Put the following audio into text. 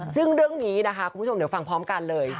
ซึ่งเรื่องนี้นะคะคุณผู้ชมเดี๋ยวฟังพร้อมกันเลย